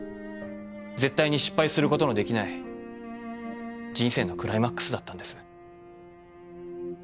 絶対に失敗することのできない人生のクライマックスだったんです。